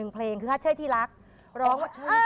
๑เพลงคือฮัตเช่ยที่รักร้อง